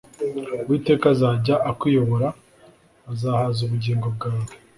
uwiteka azajya akuyobora, azahaza ubugingo bwawe